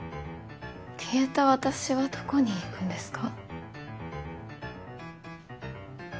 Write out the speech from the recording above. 消えた私はどこに行くんですか？